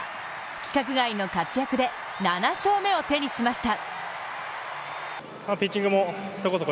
規格外の活躍で７勝目を手にしました。